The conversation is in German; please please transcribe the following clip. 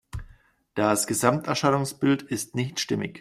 Das Gesamterscheinungsbild ist nicht stimmig.